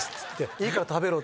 「いいから食べろ」って。